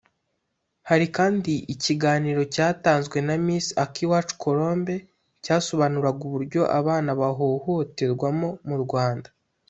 Hari kandi ikiganiro cyatanzwe na Miss Akiwacu Colombe cyasobanuraga uburyo abana bahohoterwamo mu Rwanda